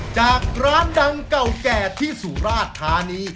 จากร้านดังเก่าแก่ที่สุราชธานี